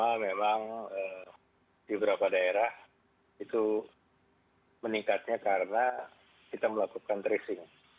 karena memang di beberapa daerah itu meningkatnya karena kita melakukan tracing